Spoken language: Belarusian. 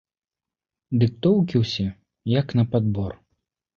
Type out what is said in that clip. Дыктоўкі ўсе як на падбор!